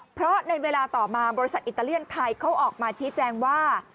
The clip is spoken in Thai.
เพราะในเวลาต่อมาบริษัทอิตาเลียนไทยเขาออกมาชี้แจงว่า